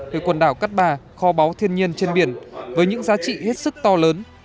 về quần đảo cát bà kho báu thiên nhiên trên biển với những giá trị hết sức to lớn